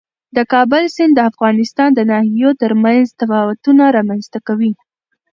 د کابل سیند د افغانستان د ناحیو ترمنځ تفاوتونه رامنځته کوي.